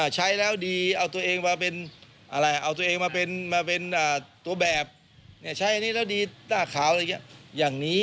ใช้แล้วดีเอาตัวเองมาเป็นตัวแบบใช้อันนี้แล้วดีหน้าขาวอะไรอย่างนี้